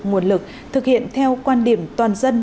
nguồn lực thực hiện theo quan điểm toàn dân